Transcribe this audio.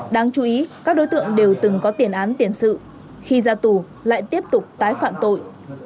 đáng chú ý các đối tượng đều từng có tiền án tiền sự khi ra tù lại tiếp tục tái phạm tội